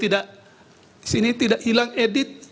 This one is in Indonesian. tidak sini tidak hilang edit